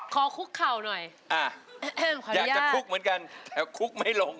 ขอคุกเขาหน่อยขออนุญาตอยากจะคุกเหมือนกันแต่ว่าคุกไม่ลง